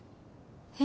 え。